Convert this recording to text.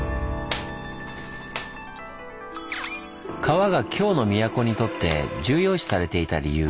川が京の都にとって重要視されていた理由。